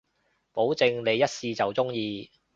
保證你一試就中意